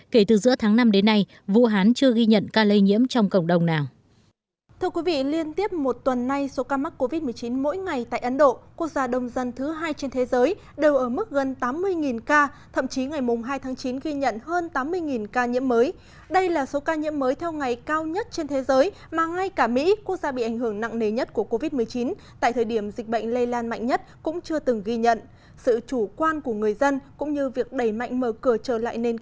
kể từ giữa tháng năm đến nay vũ hán chưa ghi nhận ca lây nhiễm trong cộng đồng nào